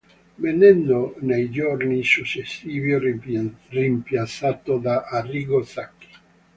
Venendo nei giorni successivi rimpiazzato da Arrigo Sacchi.